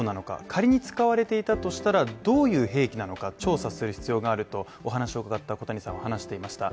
仮に使われていたとしたらどういう兵器なのか調査する必要があるとお話を伺った小谷さんは話していました。